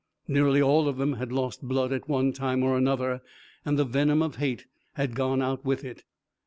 Nearly all of them had lost blood at one time or another, and the venom of hate had gone out with it.